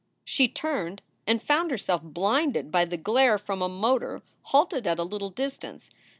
" She turned and found herself blinded by the glare from a motor halted at a little distance.